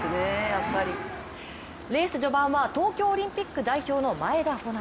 レース序盤は東京オリンピック代表の前田穂南。